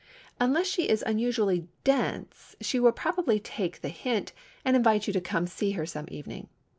Unless she is unusually "dense" she will probably "take the hint" and invite you to come and see her some evening.